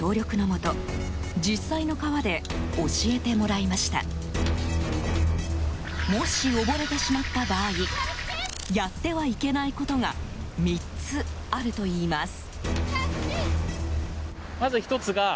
もし、溺れてしまった場合やってはいけないことが３つあるといいます。